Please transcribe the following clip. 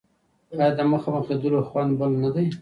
آیا د مخامخ لیدلو خوند بل نه دی؟